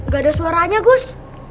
gak ada suaranya gus